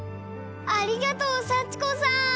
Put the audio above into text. ありがとう幸子さん！